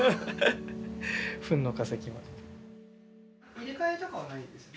入れ替えとかはないんですよね？